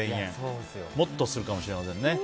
もっとするかもしれませんね。